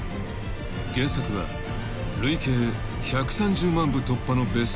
［原作は累計１３０万部突破のベストセラー警察小説